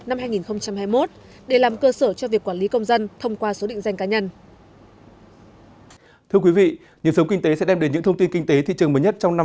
năm hai nghìn hai mươi một để làm cơ sở cho việc quản lý công dân thông qua số định danh cá nhân